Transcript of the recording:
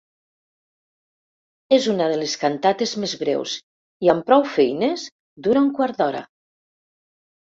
És una de les cantates més breus i amb prou feines dura un quart d'hora.